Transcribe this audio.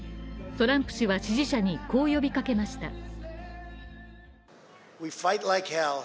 トランプ氏は支持者にこう呼びかけました。